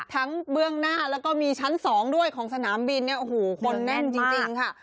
เบื้องหน้าแล้วก็มีชั้น๒ด้วยของสนามบินเนี่ยโอ้โหคนแน่นจริงค่ะ